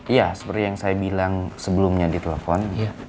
iya seperti yang saya bilang sebelumnya di telepon